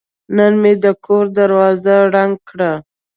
نن مې د کور دروازه رنګ کړه.